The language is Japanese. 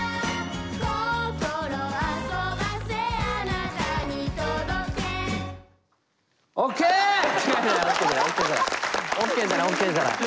「心遊ばせあなたに届け」ＯＫじゃないＯＫじゃない。